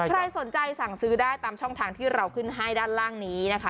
ใครสนใจสั่งซื้อได้ตามช่องทางที่เราขึ้นให้ด้านล่างนี้นะคะ